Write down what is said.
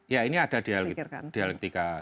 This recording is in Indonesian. ya ini ada dialektika